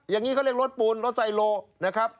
อย่างนี้เขาเรียกรถปูนรถไซโลนะครับ